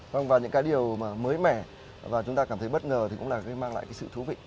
vâng và những cái điều mới mẻ và chúng ta cảm thấy bất ngờ thì cũng là cái mang lại sự thú vị